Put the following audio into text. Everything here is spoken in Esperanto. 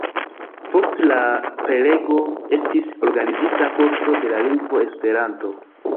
Post la prelego estis organizita kurso de la lingvo Esperanto.